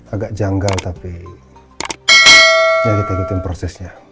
agak janggal tapi ya kita ikutin prosesnya